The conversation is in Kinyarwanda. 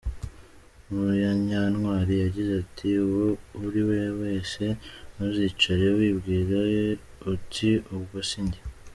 Munyantwari yagize ati “Uwo uri we wese ntuzicare wibwire uti ubwo sinjye.